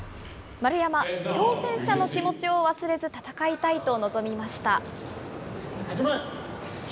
丸山、挑戦者の気持ちを忘れず戦いたいと臨みました。